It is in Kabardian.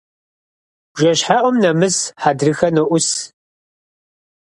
БжэщхьэӀум нэмыс хьэдрыхэ ноӀус.